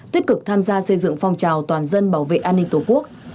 tích cực tham gia xây dựng phong trào toàn dân bảo vệ an ninh tổ quốc